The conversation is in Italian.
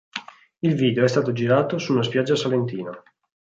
Il video è stato girato su una spiaggia salentina.